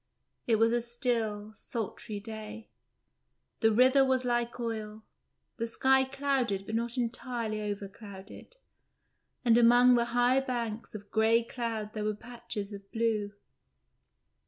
It was a still, sultry day. The river was like oil, the sky clouded but not entirely overclouded, and among the high banks of grey cloud there were patches of blue.